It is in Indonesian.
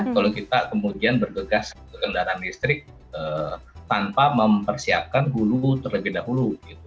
kalau kita kemudian bergegas ke kendaraan listrik tanpa mempersiapkan hulu terlebih dahulu